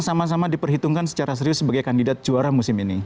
sama sama diperhitungkan secara serius sebagai kandidat juara musim ini